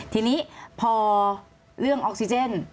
ทีนี้พอเรื่องออกซิเจน